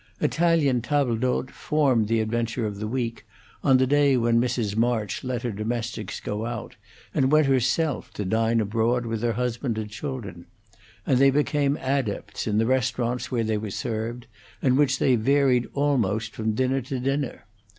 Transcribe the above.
Italian table d'hotes formed the adventure of the week, on the day when Mrs. March let her domestics go out, and went herself to dine abroad with her husband and children; and they became adepts in the restaurants where they were served, and which they varied almost from dinner to dinner.